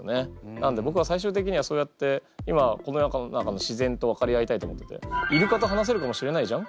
なんで僕は最終的にはそうやって今この世の中の自然と分かり合いたいと思っててイルカと話せるかもしれないじゃん？